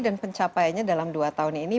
dan pencapaiannya dalam dua tahun ini